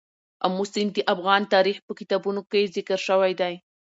آمو سیند د افغان تاریخ په کتابونو کې ذکر شوی دی.